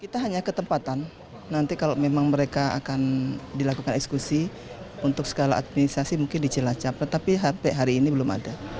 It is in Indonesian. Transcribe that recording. kita hanya ketempatan nanti kalau memang mereka akan dilakukan eksekusi untuk skala administrasi mungkin di cilacap tetapi sampai hari ini belum ada